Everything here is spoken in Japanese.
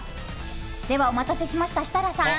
お待たせしました、設楽さん